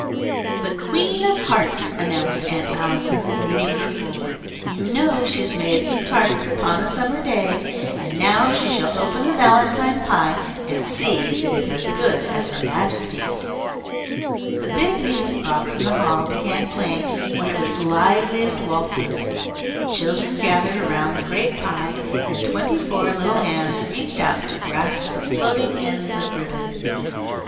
"The Queen of Hearts," announced Aunt Allison, leading her forward. "You know 'she made some tarts, upon a summer day,' and now she shall open the valentine pie and see if it is as good as her Majesty's." The big music box in the hall began playing one of its liveliest waltzes, the children gathered around the great pie, and twenty four little hands reached out to grasp the floating ends of ribbon.